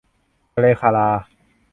ทะเลคารา